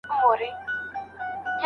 د خطبې پر وخت بايد ناوړه خبري ونه سي.